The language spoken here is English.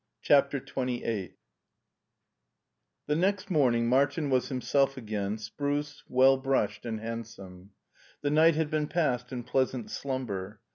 CHAPTER XXVni THE next morning Martin was himself again spruce, well brushed, and handsome. The night had been passed in pleasant slumber.